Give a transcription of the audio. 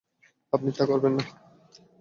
আপনি তা করবেন না।